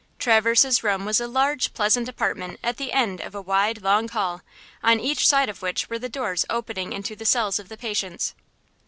Traverse's room was a large, pleasant apartment at the end of a wide, long hall, on each side of which were the doors opening into the cells of the patients.